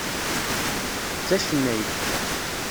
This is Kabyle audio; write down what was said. D tacennayt.